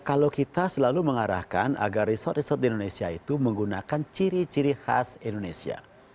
kalau kita selalu mengarahkan agar resort resort di indonesia itu menggunakan ciri ciri khas indonesia